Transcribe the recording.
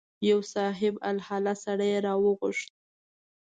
یو صاحب الحاله سړی یې راوغوښت.